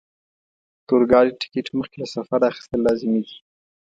د اورګاډي ټکټ مخکې له سفره اخیستل لازمي دي.